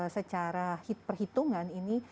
secara perhitungan ini